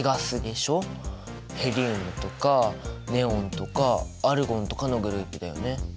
ヘリウムとかネオンとかアルゴンとかのグループだよね。